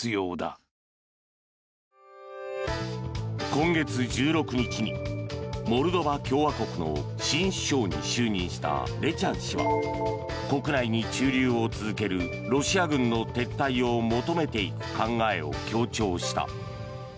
今月１６日にモルドバ共和国の新首相に就任したレチャン氏は国内に駐留を続けるロシア軍の撤退を求めていく考えを強調した。